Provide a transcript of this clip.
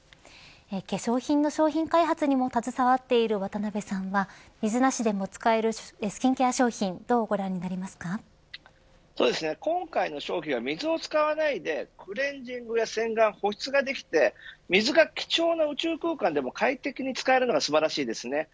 化粧品の商品開発にも携わっている渡辺さんは水なしでも使えるスキンケア商品どうご覧になりますか。そうですね今回の商品は水を使わないでクレンジングや洗顔、保湿ができて水が貴重な宇宙空間でも快適に使えるのが素晴らしいですね。